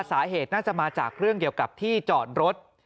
สาเหตุน่าจะมาจากเรื่องเกี่ยวกับที่จอดรถ